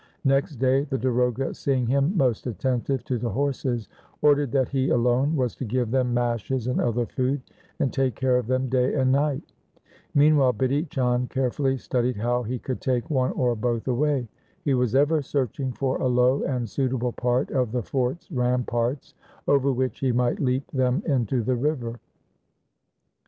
Next day the darogha seeing him most attentive to the horses, ordered that he alone was to give them mashes and other food, and take care of them day and night. Meanwhile, Bidhi Chand carefully studied how he could take one or both away. He was ever searching for a low and suitable part of the fort's ramparts over which he might leap them into the river.